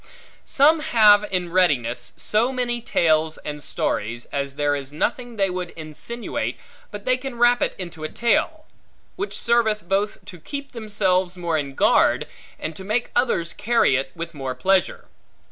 Some have in readiness so many tales and stories, as there is nothing they would insinuate, but they can wrap it into a tale; which serveth both to keep themselves more in guard, and to make others carry it with more pleasure.